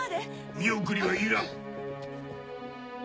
見送りはいらん！